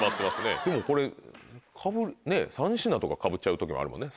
でもこれ３品とかかぶっちゃう時もあるもんね。